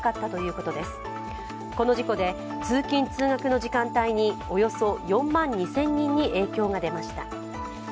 この事故で通勤・通学の時間帯におよそ４万２０００人に影響が出ました。